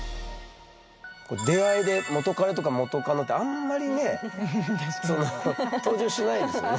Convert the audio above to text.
出会いで元カレとか元カノってあんまりね登場しないですよね？